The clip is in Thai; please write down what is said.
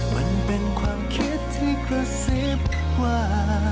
มันเป็นความคิดที่กระซิบว่า